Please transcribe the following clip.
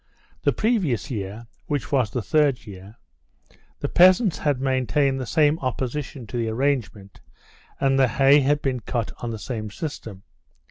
The previous year—which was the third year—the peasants had maintained the same opposition to the arrangement, and the hay had been cut on the same system.